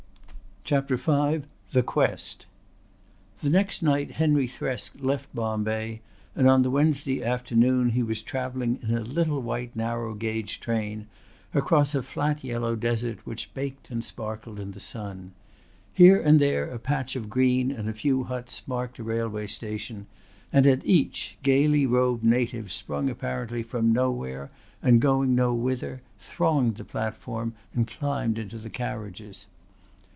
CHAPTER V THE QUEST The next night Henry Thresk left Bombay and on the Wednesday afternoon he was travelling in a little white narrow gauge train across a flat yellow desert which baked and sparkled in the sun. Here and there a patch of green and a few huts marked a railway station and at each gaily robed natives sprung apparently from nowhere and going no whither thronged the platform and climbed into the carriages.